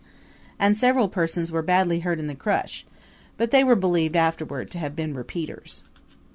And several persons were badly hurt in the crush; but they were believed afterward to have been repeaters.